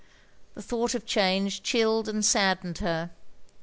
The thought of change chilled and saddened her.